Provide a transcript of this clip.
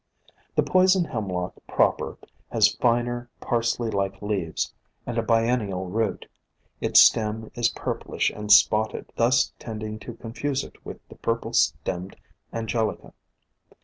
The Poison Hemlock proper has finer Parsley like leaves and a biennial root; its stem is purplish and spotted, thus tending to confuse it with the Purple stemmed Angelica.